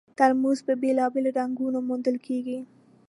ترموز په بېلابېلو رنګونو موندل کېږي.